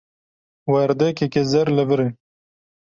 Werdekeke zer li vir e.